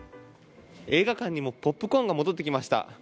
映画館にもポップコーンが戻ってきました。